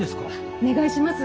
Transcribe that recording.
お願いします。